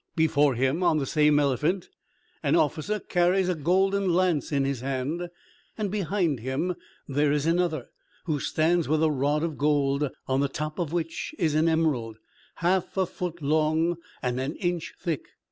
Before him, upon the same elephant, an officer carries a golden lance in his hand; and behind him there is another, who stands with a rod of gold, on the top of which is an emerald, half a foot long and an inch thick.